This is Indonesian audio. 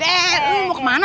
eh lu mau kemana